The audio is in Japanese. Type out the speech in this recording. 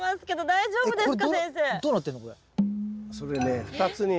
大丈夫です。